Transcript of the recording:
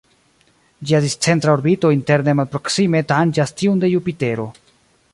Ĝia discentra orbito interne malproksime tanĝas tiun de Jupitero.